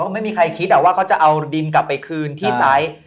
ไม่มีใครคิดว่าเขาจะเอาดินกลับไปคืนที่ไซส์